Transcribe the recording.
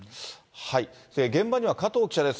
現場にはかとう記者です。